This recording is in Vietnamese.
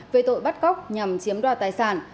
về tội bắt cóc nhằm chiếm đoạt tài sản